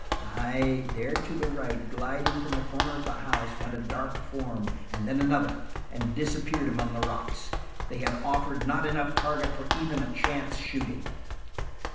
Ay, there to the right, gliding from the corner of the house, went a dark form, and then another, and disappeared among the rocks. They had offered not enough target for even chance shooting.